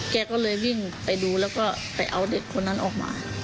แกก็เลยวิ่งไปดูแล้วก็ไปเอาเด็กคนนั้นออกมา